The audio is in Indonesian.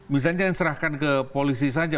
misalnya yang serahkan ke polisi saja